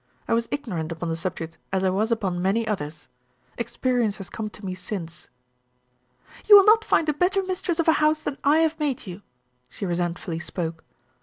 I was ignorant upon the subject as I was upon many others. Experience has come to me since." "You will not find a better mistress of a house than I have made you," she resentfully spoke.